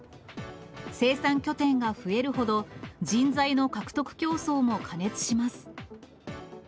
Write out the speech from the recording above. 生産拠点が増えるほど、人材の獲得競争も過熱します。